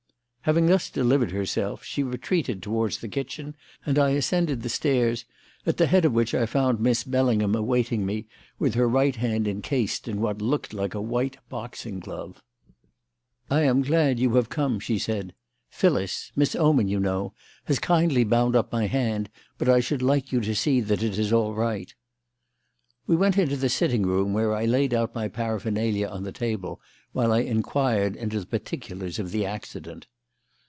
Having thus delivered herself she retreated towards the kitchen and I ascended the stairs, at the head of which I found Miss Bellingham awaiting me with her right hand encased in what looked like a white boxing glove. "I am glad you have come," she said. "Phyllis Miss Oman, you know has kindly bound up my hand, but I should like you to see that it is all right." We went into the sitting room, where I laid out my paraphernalia on the table while I inquired into the particulars of the accident.